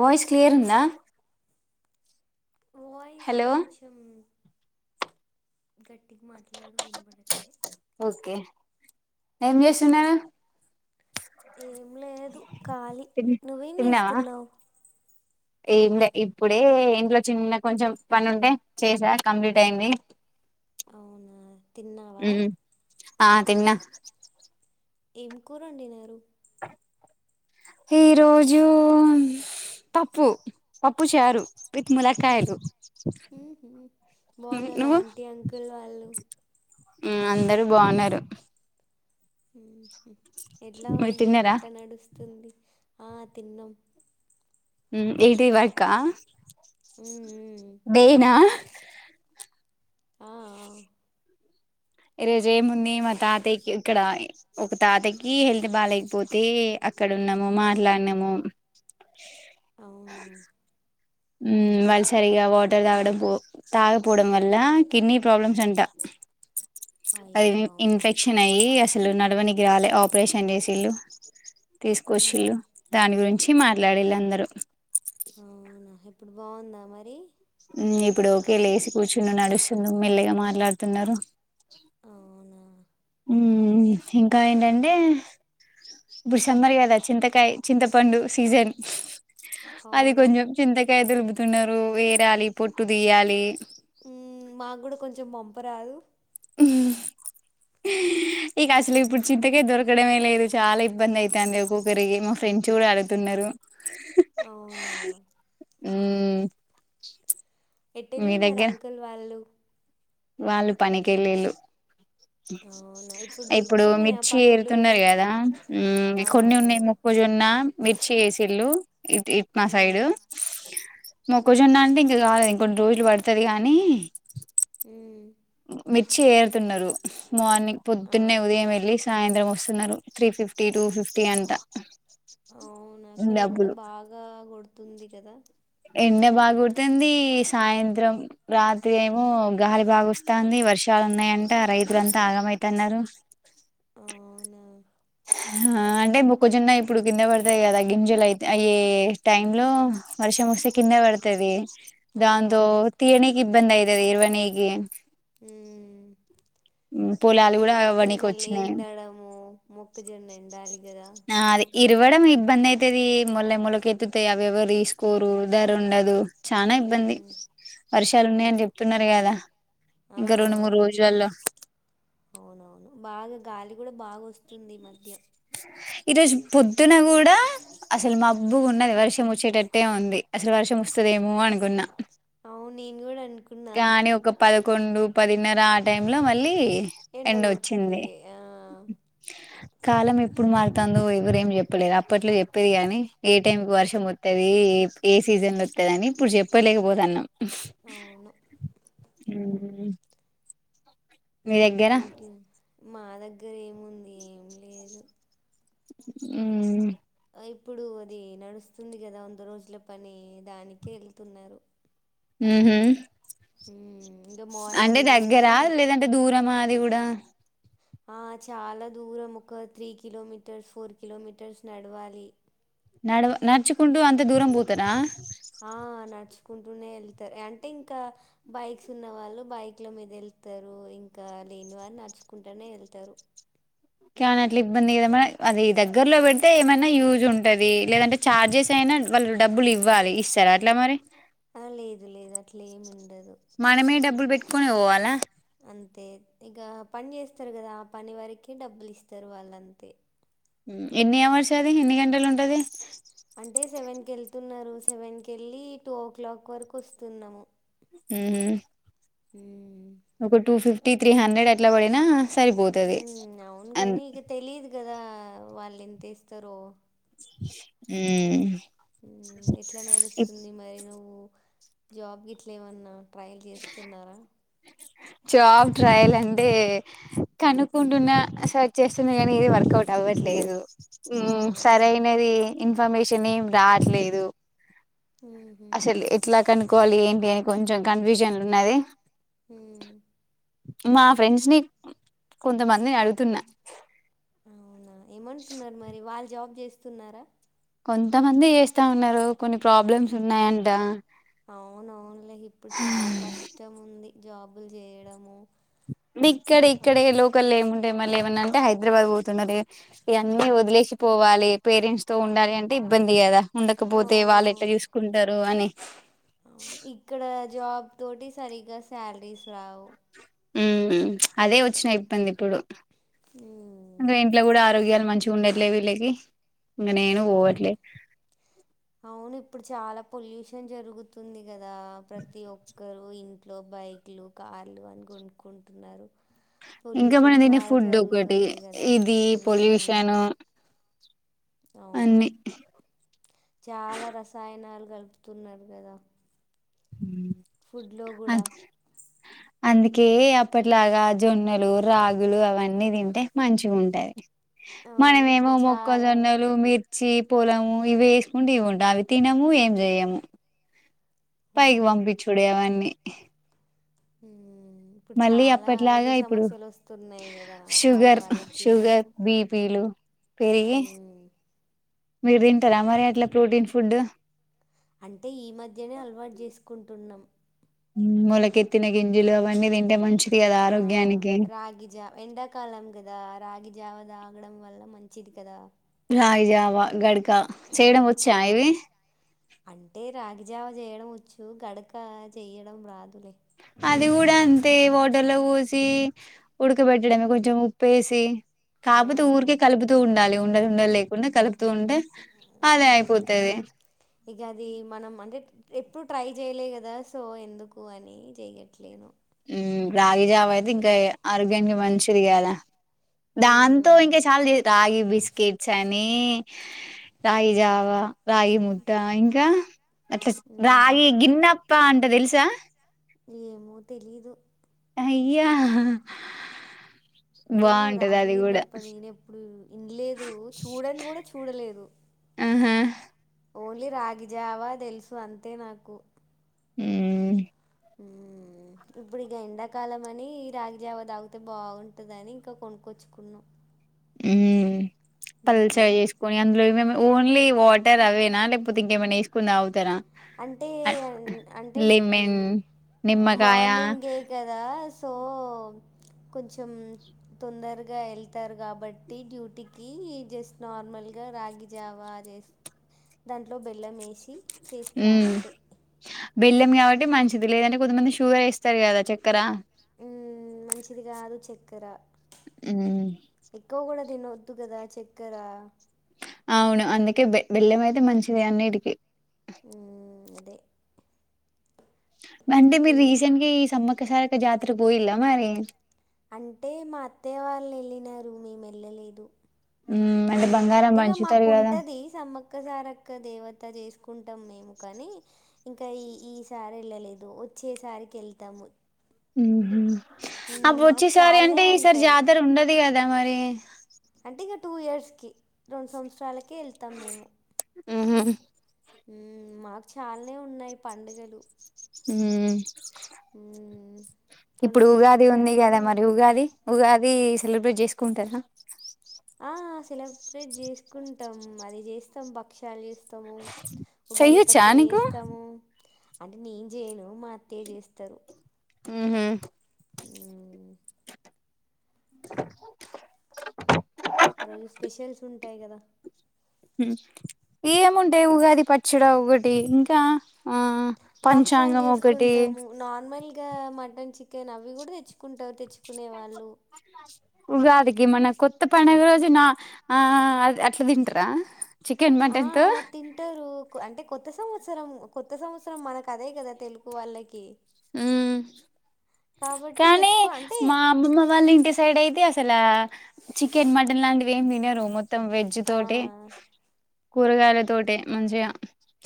Voice క్లియరుందా voice కొంచెం గట్టిగ మాట్లాడు వినబడట్లే ఓకే ఏం చేస్తున్నవే ఏం లేదు ఖాళీ తిన్ నువ్వేం తిన్నావా చేస్తున్నావు ఏంలె ఇప్పుడే ఇంట్లో చిన్న కొంచెం పనుంటే చేసా కంప్లీట్ అయింది. అవునా తిన్నావా. మ్మ్ ఆ తిన్న. ఏం కూరొన్డినరు. ఈరోజూ పప్పు పప్పు చారు. విత్ ములక్కాయలు బావున్నరా ఆంటీ అంకుల్ వాళ్ళు. ఊ అందర బావున్నారు. ఎట్లా మీరు ఉంది తిన్నారా ఎట్ల నడుస్తుంది. ఆ తిన్నం. ఉమ్ ఏంటి వర్కా ఊ ఊ డే నా ఆఆ ఈరోజేముంది మా తాతయ్య కి ఇక్కడ ఒక తాతకి హెల్త్ బాలేకపోతే అక్కడున్నమూ మాట్లాడినమూ ఆ అవునా మ్మ్ వాళ్లుసరిగా వాటర్ తాగడం పో తాగపోవడం వల్ల కిడ్నీ ప్రాబ్లమ్స్ అంట. [inaudible] [unintelligible] అది అయ్యో అవునా ఇన్ఫెక్షన్ అయ్యి అసలు నడవనికి రాలే ఆపరేషన్ చేసిళ్ళు. తీసుకొచ్చిళ్ళు ఊహు దాని గురించి మాట్లాడిళ్ళు అందరూ. అవునా ఇప్పుడు బావున్దా మరీ. మ్మ్ ఇప్పుడు ఓకే లేసి కూర్చుం నడుస్తును మెల్లగ మాట్లాడుతున్నారు. అవునా మ్మ్ ఇంకా ఏంటంటే ఇప్పుడు సమ్మర్ గదా చింతకయ చింతపండు సీజన్ అది అవును కొంచెం చింతకాయ దులుపుతున్నరూ ఏరాలి పొట్టు దియ్యాలీ. హ్మ్. మాకు కూడా కొంచెం పంప రాదు ఉమ్ హ్ ఇక అసలిప్పుడ్ చింతకాయ దొరకడమే లేదు చాలా ఇబ్బంది అయితాన్ది ఒక్కొక్కరికి మా ఫ్రెండ్స్ గూడా అడుగుతున్నారు. అవునా ఉమ్మ్ ఎట్ ఎళ్ళినార్ అంకుల్ వాళ్ళు. వాళ్ళు పనికెళ్ళిల్లు. అవునా! ఇప్పుడు ఇప్పుడూ దొరుకుతున్నయా మిర్చి పనులు? ఎరుతున్నరు గదా మ్మ్ ఆ! కొన్ని ఉన్నాయి మొక్కజొన్నా మిర్చి వేసిల్లు ఇ ఇట్ మా హ్మ్. సైడూ. మొక్కజొన్నా అంటె ఇంకా కాలేదు ఇంకొన్ని రోజులు పడుతది గానీ మ్మ్ మిర్చి ఏరుతున్నరు మార్నింగ్ పొద్దున్నే అవు ఉదయం ఎళ్ళి సాయంత్రం ఒస్తున్నారు త్రీ ఫిఫ్టీ టూ ఫిఫ్టీ అంట. అవునా అక్కడ ఎండ డబ్బులు బాగా కొడుతుంది కదా. ఎండ బాగొడుతుంది సాయంత్రం రాత్రి ఏమో గాలి బాగొస్తాన్ది వర్ష ఉన్నాయంట రైతుల అంతా ఆగం ఐతున్నరు. అవున ఆ అంటే మొక్కజొన్న ఇప్పుడు కింద పడతాయి కదా గింజలు అయితె అయ్యే టైం లో వర్ష వర్షం వస్తే కింద బడుతది దాంతో అవునవును. తియనికి ఇబ్బంది అయితది ఇరవనికి ఉమ్మ్ ఉమ్ అట్లయితే మళ్ళీ ఎండడము మొక్కజొన్న ఎండాలి గదా ఆ అది ఇరవడం ఇబ్బంది అవుతుది మొల్ల మొలక ఎత్తుతాయి అవి ఎవరు తీసుకోరు ధర ఉండదు చాన ఇబ్బంది హ్మ్. వర్షాలు ఉన్నాయ అవును. అని చెప్తున్నారు కదా ఆ! ఇంకా రెండు మూడు ఆ! రోజులల్లో అవునవును బాగా గాలి కూడా బాగా వస్తుంది ఈ మధ్య ఈ రోజు పొద్దున కూడా అసలు మబ్బు ఉన్నది వర్షం వచ్చేటట్టే ఉంది అసలు వర్షం వర్షం వస్తదేమో అనుకున్నా అవును నేను కూడా అన్ కానీ ఒక పదకొండు పదిన్నర ఆ టైమ్ లో మళ్ళీ ఎండ ఒచ్చింది కొడుతుంది ఆ కాలం ఎప్పుడు మారుతాందో ఎవర ఏం చెప్పలేరు అప్పట్లో చెప్పేది కాని ఏ టైం కి వర్షం వత్తది ఏ సీజన్ లో అత్తదని ఇప్పుడు చెప్పలేకపోతాన్నాం అవును ఉమ్మ్ హు మీ దగ్గర ఏంటి మా దగ్గర ఏముంది ఏం లేదు ఉమ్మ్ ఇప్పుడు అది నడుస్తుంది కదా వంద రోజుల పని దానికే వెళ్తున్నరు ఉ హుమ్ ఉమ్మ్ అంటే దగ్గరా లేదంటే దూరమా అది కూడా ఆ చాలా దూరం ఒక త్రీ కిలోమీటర్స్ ఫోర్ కిలోమీటర్స్ నడవాలి నడవ నడుచుకుంటూ అంత దూరం పోతారా? కుంటూనే ఎళ్తరు అంటే ఇంకా బైక్స్ ఉన్న వాళ్ళు బైక్ లో మీద ఎళ్తరు ఇంకా లేని వారు నడుచుకుంటనే ఎళ్తరు కానీ అట్ల ఇబ్బంది కద మ అది దగ్గరలో పెడితే ఏమైనా యూజ్ ఉంటది లేదంటే చార్జెస్ అయినా వాళ్ళు డబ్బులు ఇవ్వాలి ఇస్తారా అట్ల మరి ఆ లేదు లేదు అట్ల ఏమి ఉండదు మనమే డబ్బులు పెట్టుకొనే పోవలా అంతే ఇక పని చేస్తారు కదా పని వారికి డబ్బులు ఇస్తారు వాళ్ళు అంతే ఉ ఎన్ని హార్స్ అది ఎన్ని గంటలు ఉంటది గే వెళ్తున్నారు సెవెన్ కి వెళ్ళి టూ ఓ క్లాక్ వరకు వస్తున్నాము ఉమ్మ్ ఉమ్మ్ త్రి త్రీ హండ్రెడ్ అట్ల పడినా సరిపోతది హ్మ్. అన్ అవ్ వాళ్ళు ఎంత ఇస్తారో ఉమ్మ్ ఉమ్మ్ ఎట్లా నడుస్తుంది మరి నువ్వు జాబ్ గిట్ల ఏమన్నా ట్రయల్ చేస్తున్నారా? జాబ్ ట్రయల్ అంటే కనుక్కుంటున్నా సెర్చ్ చేస్తున్న కానీ ఏది వర్కౌట్ అవ్వట్లేదు సరే ఉమ్ సరైనది ఇన్ఫర్మేషన్ ఏం రావట్లేదు ఊహూ అసలు ఎట్ల కనుక్కోవాలి ఏంటి అని కొంచెం కన్ఫ్యూజన్లు ఉన్నది హుమ్మ్ మా ఫ్రెండ్స్ ని కొంతమందిని అడుగుతున్నా అవునా ఏమంటున్నరు మరి? వాళ్ళు జాబ్ చేస్తున్నారా? కొంతమంది చేస్తా ఉన్నారు కొన్ని ప్రాబ్లమ్స్ ఉన్నాయంట అవునవునులే ఇప్పుడు చాలా కష్టం ఉంది జాబులు చేయడము ది ఇక్కడే ఆ ఇక్కడే లోకల్ లే ఏము టే మల్ల ఏమన్నా అంటే హైదరాబాద్ పోతున్నారే ఇవన్నీ వదిలేసి పోవాలి పేరెంట్స్ తో ఉండాలి అంటే ఇబ్బంది కదా ఉండకపోతే అవును వాళ్ళు ఎట్లా చూసుకుంటారు అని అవును ఇక్కడ జాబ్ తోటి సరిగా శాలరీస్ రావు ఉ అదే వచ్చినా ఇబ్బంది ఇప్పుడు హ్మ్ అందు ఇంట్ల కూడా ఆరోగ్యాలు మంచిగా ఉండట్లే వీళ్ళకి ఇంక నేను అవును పోవట్లే అవును ఇప్పుడు చాలా పొల్యూషన్ జరుగుతుంది కదా ప్రతి ఒక్కరు ఇంట్లో బైక్లు కా కార్లు అని కొనుక్కుంటున్నారు ఇంకా పొల్యూషన్ మనం తినే చాలా ఫుడ్ ఒకటి జరుగుతుంది కదా ఇది మ్మ్. పొల్యూషన్ అవును చాలా రసాయనాలు కలుపుతున్నారు కదా ఉ ఫుడ్లో కూడా అందుకే అప్పట్లాగా జొన్నలు రాగులు అవన్నీ తింటే మంచిగా ఉంటాయి అవును మనము ఏమో ఇప్పుడు చాలా మొక్కజొన్నలు మీర్ చ్చి పొలము ఇవి వేసుకుంటే ఇవి ఉంటాయి అవి తినము ఏం చేయము పైకి అవును వంపిచుడే అవన్నీ హ మళ్ళీ అప్పటి లాగా ఇప్పుడు వస్తున్నాయి కదా షుగర్ ఆడవాళ్ళకి షుగర్ బీపీలు పెరిగి మ్మ్. మీరు తింటారా మరి అట్లా ప్రోటీన్ ఫుడ్ అంటే ఈ మధ్యనే అలవాటు చేసుకుంటున్నాం మోలకెత్తిన గింజిలు అవన్నీ తింటే మంచి ఆ రాగిజా ఎండాకాలం కదా రాగిజావత్ తాగడం వల్ల మంచిది కదా రాగీ జావ గడక ఆ చేయడం వచ్చా ఆ ఇవి అంటే రాగిజావ చేయడం వచ్చు గడక చేయడం రాదులే అది కూడా అంతే వాటర్ లో పోసి ఉడకబెట్టడమే కొంచెం ఉప్పు ఏసి ఆ కాకపోతే ఊరికే కలుపుతూ ఉండాలి ఉండలు ఉండలు లేకుండా కలుపుతూ ఉంటే అదే అయిపోతది ఇక అది మనం అంటేట్ ఎప్పుడు ట్రై చేయలే కదా సో ఎందుకు అని చెయ్యట్లేను ఉ రాగి జావ అయితే ఇంకా ఆరోగ్యానికి మంచిది గదా దాంతో ఉమ్ ఇంకా చాలా చెయ్ రాగి బిస్ కిడ్స్ అని రాగి జావ రాగి ముట్ట ఇంకా అట్లా ఉమ్ రాగి గిన్నప్ప అంట తెలుసా ఏమో తెలీదు అయ్యా ఏమో బాగుంటది రాగి అది కూడా ఈన్నప్ప నేను ఎప్పుడు వినలేదు చూడని కూడా చూడలేదు ఆహాహు ఓన్లీ రాగిజావా తెలుసు అంతే నాకు ఉ ఉ ఇప్పుడు ఇక ఎండాకాలం అని రాగిజావ తాగుతే బాగుంటదని ఇంకా కొనుక్కొచ్చుకున్నాం ఉ పలుసగా మ్మ్. చేసుకొని అందులో ఏం ఏం ఓవన్ ఓన్లీ వాటర్ అవేనా లేకపోతే ఇంకా ఏమన్నా వేసుకొని తాగుతారా అంటే అన్ అంటే అం లెమన్ నిమ్మకాయ మార్నింగే కదా సో కొంచెం తొందరగా వెళ్తారు కాబట్టి డ్యూటీకి జస్ట్ నార్మల్ ర్మల్గా రాగి జావా చేస్ దాంట్లో బెల్లం వేసి చెస్ త అంతే బెల్లెం కాబట్టి మంచిది లేదంటే కొంతమంది షుగర్ వేస్తారు కదా చక్కర మ్ మంచిది కాదు చక్కెర మ్ తినోద్దు కదా చక్కరా అవును అందుకే బె-బెల్లం అయితే మంచిది అన్నిటికిీ మ్ అదే అంటే ఈ మీరు రీసెంట్ గా ఈ సమ్మక్క సారక్క జాతరకు పోయిలా మరి అంటే మా అత్తయ వాళ్ళు వెళ్ళినారు మేము వెళ్ళలేదు ఉమ్ అ బంగారం అంటే ఇక పంచుతారు కదా మాకుంటది సమ్మక్కసారక్క దేవ అంత చేసుకుంటాం మేము కానీ ఇంకా ఈ ఈసారి వెళ్ళలేదు వచ్చేసారికి వెళ్తాము ఉమ్ హు మ్మ్, అప్పుడు మాకు వచ్చేసారి చాలానే అంటే ఈసారి ఉంటాయి జాతర ఉండది కదా మరి అంటే ఇంగ టూ ఇయర్స్కి రెండు సంవత్సరాలక వెళ్తాం మేము ఉమ్ హు ఉమ్ మాకు చాలానే ఉన్నాయి పడుగలు మ్ రెండు ఇప్పుడు నెలలకు ఉగాది ఉంది కదా ఒకసారైనా మరి ఉగాది ఉగాది సెలబ్రేట్ చేసుకుంటారా ఆ! సెలబ్రేట్ చేసుకుంటాం అది చేస్తాం భక్షాలు చేస్ స్తము ఉగాది చెయ్యొచ్చా పచ్చడి నీకు చేస్తాము అంటే నేను చేయను మా అత్తయ చేస్తారు ఉమ్ హు ఊ మ్ ఆ రోజు స్పెషల్స్ ఉంటాయి కదా ఏముంటాయి ఉగాది పచ్చడా ఒకటి ఇంకా ఆ భక్ష్యాలు పంచాంగం ఒకటి చేసుకుంటాము నార్మల్ గా మటన్ చికెన్ అవి కూడా తెచ్చుకుంటారు తెచ్చు కునే వాళ్ళు ఇ మన కొత్త పండుగ రోజు నా ఆ అ అట్లా తింటరా ఆ తింటారు అంటే కొత్త సంవ వత్సరం కొత్త సంవత్సరం మనకు అదే కదా తెలుగు వాళ్ళకి ఉ కాబట్టి కానీ తెచ్చుకో అంటే మా అమ్మమ మా వాళ్ళ ఇంటి సైడ్ అయితే అ అసలా చికెన్ మటన్ లాంటివి ఏం తినరు మొత్తం వెజ్ తోటి ఆ! కూరగాయల తోటే మంచిగా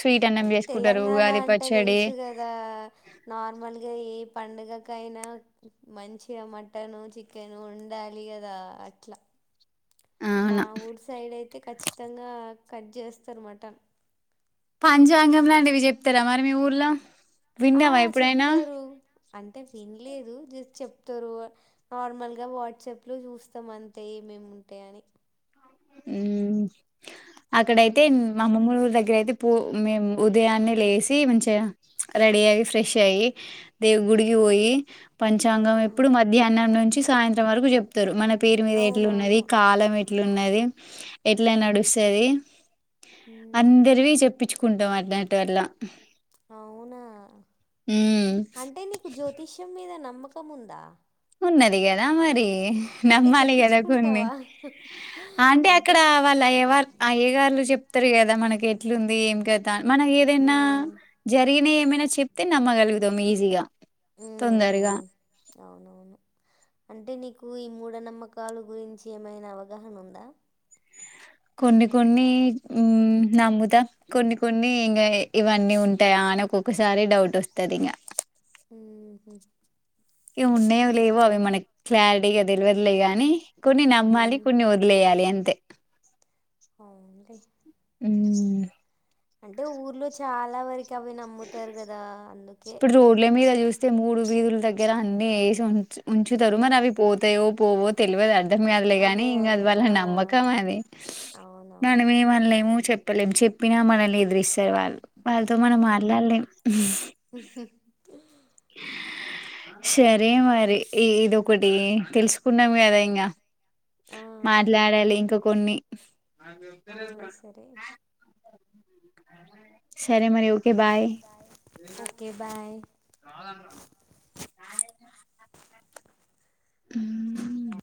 స్వీట్ అన్నం అంటే చేసుకుంటారు తెలంగాణ ఉగాది అంటే పచ్చడి తెలుసు కదా నార్మల్ ఏ పండుగకైనా మంచిగా మటన్ చికెన్ ఉండాలి కదా అట్ల ఆ మా ఊరు సైడ్ అయితే ఖచ్చితంగా కట్ చేస్తారు మటన్ పంచాంగం లాంటివి చెప్తారా మరి మీ ఊర్లో ఆ విన్నావా ఎప్పుడైనా చెప్తారు అంటే వినలేదు జస్ట్ చెప్తారు నార్మల్ గా వాట్సాప్ లో చూస్తాం అంతే మేము ఉంటాయి అని ఊ మ్ అక్కడయితే ఉమ్. మామమ్మ వాళ్ళ ఊరి దగ్గర అయితే పూ మేము ఉదయాన్నే లేసి మంచిగా రెడీ అయి ఫ్రెష్ అయి దేవ్ గుడికి పోయి పంచాంగం ఆ, ఎప్పుడు మధ్యాహ్నం నుంచి సాయంత్రం వరకు చెప్తారు మన పేరు మీద ఎట్లున్నది అవునవును కాలం ఎట్లున్నది ఎట్లా హ్మ్. నడుస్తది హ్మ్. అందరివి చెప్ ఇప్పించుకుంటాం అట్లాంటి వల్ల అవునా అంటే నీకు జ్యోతిష్యం మీద నమ్మకం ఉందా ఉన్నది కదా మరి అంటే నమ్మాలి కదా కొన్ని చెప్పించుకుంటావా? అంటే అక్కడ వాళ్ళు అయ్యవా హ్మ్. అయ్యే గార్లు చె చెప్తారు కదా మనకి ఎట్లుంది ఏం కథా మనం ఏదైనా హ్మ్. జరిగిన ఏమైనా చెప్తే నమ్మగలుగుతాం ఈజీగా తొందరగా హ్మ్. అవునవును అంటే నీకు ఈ మూఢనమ్మకలు గురించి ఏమైనా అవగాహన ఉందా కొన్ని కొన్ని నమ్ముతా కొన్ని కొన్ని ఇంకా ఇవన్నీ ఉంటాయా మనకి ఒక్కసారి డౌట్ వస్తాది ఇంకా ఉహు ఏ ఉన్నాయో లేవో అవి మనకి క్లారిటీగా తెలివద్లే గాని కొన్ని నమ్మాలి హ్మ్. కొన్ని వదిలేయాలి అంతే అవును లే ఉను అంటే ఊర్లో చాలా వరకు అవి నమ్ముతారు కదా అందుకే వస్తే మూడు వీధుల దగ్గర అన్ని వేసి ఉ ఉంచుతారు మరి అవి పోతాయో పోవో తెలివద అర్ధం కాదులే కాని అదే ఇంక అది అదే వాళ్ల ఆ నమ్మకం అది అవునవును మనం ఏమ్ అనలేము చెప్పలేం చెప్పినా మనల్ని ఎదురిస్తారు వాళ్ళు వాళ్ళతో అవును లాలేం సరే మరి ఇదొకటి తెలుసుకున్నాం కదా ఇంకా ఆ మాట్లాడాలి ఇంకా కొన్ని ఆ సరే సరే మరి ఓకే బాయ్ ఓకే బాయ్ కాదంట రా హ్మ్